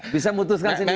bisa memutuskan sendiri